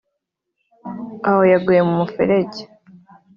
aho yaguye mu muferege